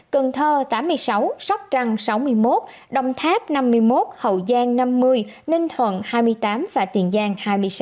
cần thơ tám mươi sáu sóc trăng sáu mươi một đồng tháp năm mươi một hậu giang năm mươi ninh thuận hai mươi tám và tiền giang hai mươi sáu